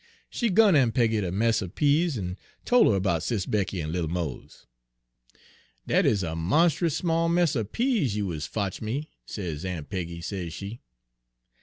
She gun Aun' Peggy de mess er peas, en tol' her all 'bout Sis' Becky en little Mose. " 'Dat is a monst'us small mess er peas you is fotch' me,' sez Aun' Peggy, sez she.